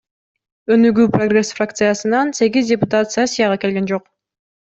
Өнүгүү — Прогресс фракциясынан сегиз депутат сессияга келген жок.